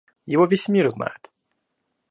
Его весь мир знает.